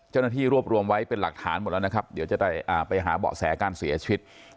เจ้าหน้าที่รวบรวมไว้เป็นหลักฐานหมดแล้วนะครับเดี๋ยวจะไปหาเบาะแสการเสียชีวิต